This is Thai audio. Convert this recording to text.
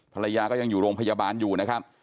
ภรรยาก็ยังอยู่โรงพยาบาลอยู่นะครับ